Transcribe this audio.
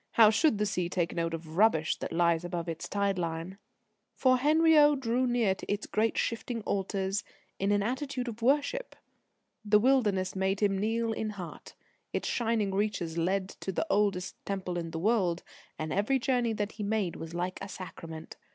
How should the sea take note of rubbish that lies above its tide line?" For Henriot drew near to its great shifting altars in an attitude of worship. The wilderness made him kneel in heart. Its shining reaches led to the oldest Temple in the world, and every journey that he made was like a sacrament.